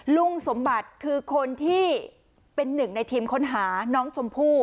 ลุงสมบัติคือคนที่เป็นหนึ่งในทีมค้นหาน้องชมพู่